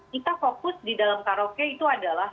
kita fokus di dalam karaoke itu adalah